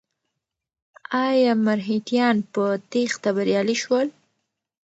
ایا مرهټیان په تېښته بریالي شول؟